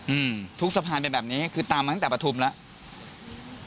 อืมทุกสะพานเป็นแบบนี้คือตามมาตั้งแต่ปฐุมแล้ว